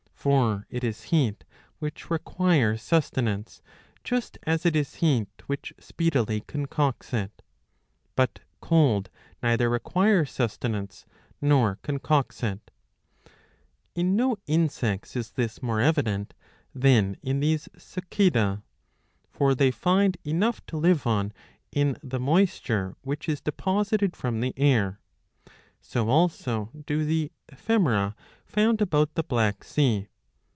For it is heat which requires sustenance; just as it is heat which speedily concocts it,"''^ But cold neither requires sustenance nor concocts it. In no insects is this more evident than in these Cicadae. For they find enough to live on in the moisture which 682 a. iv. 5 — iv. 6. 107 is deposited from the air.'^^ So also do the Ephemera found about the Black Sea."